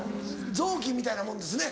雑巾みたいなもんですね。